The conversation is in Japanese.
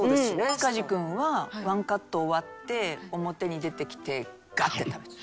塚地君は１カット終わって表に出てきてガッて食べてた。